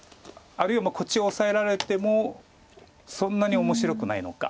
あるいはこっちをオサえられてもそんなに面白くないのか。